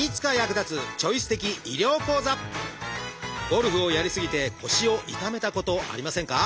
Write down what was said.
ゴルフをやり過ぎて腰を痛めたことありませんか？